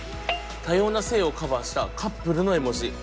多様な性をカバーしたカップルの絵文字。